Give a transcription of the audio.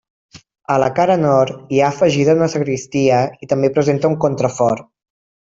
A la cara Nord hi ha afegida una sagristia i també presenta un contrafort.